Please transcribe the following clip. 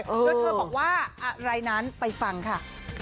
แล้วเธอบอกว่าอะไรนั้นไปฟังค่ะ